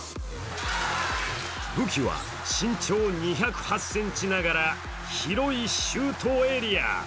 武器は身長２０８ｃｍながら広いシュートエリア。